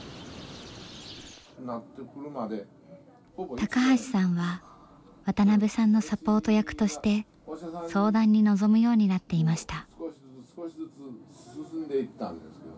高橋さんは渡邊さんのサポート役として相談に臨むようになっていました。